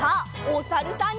おさるさん。